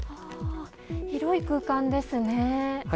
広い空間ですね。